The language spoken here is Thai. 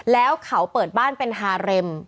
แล้วเขาเปิดบ้านเป็นฮาเร็ม